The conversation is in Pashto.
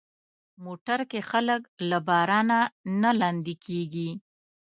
موټر کې خلک له بارانه نه لندي کېږي.